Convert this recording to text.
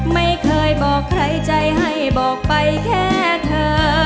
ไม่เคยบอกใครใจให้บอกไปแค่เธอ